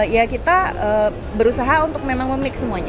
ya kita berusaha untuk memang memik semuanya